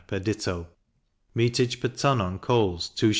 per ditto; metage per ton on coals 2s.